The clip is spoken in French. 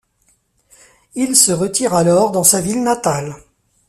Il se retire alors dans sa ville natale.